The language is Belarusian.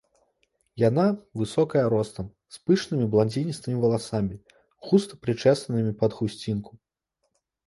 Яна высокая ростам, з пышнымі бландзіністымі валасамі, густа прычэсанымі пад хусцінку.